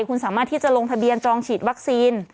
คุณสามารถที่จะลงทะเบียนจองฉีดวัคซีน